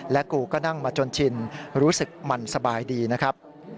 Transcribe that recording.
กูก็นั่งมาจนชินรู้สึกหมั่นสบายดีนะครับ